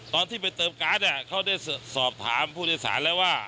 ตอนที่ไปเติมการ์ดเขาได้สอบถามผู้โดยสารแล้วว่า